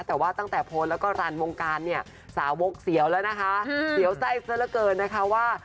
แต่ว่าตั้งแต่โพสต์แล้วก็รันวงการเนี่ยสาวกเสียวแล้วนะคะเสียวไส้ซะละเกินนะคะว่า